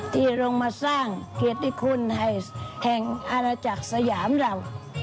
ที่ลงมาสร้างเกียรติคุณให้แห่งอาณาจักรสยามเรา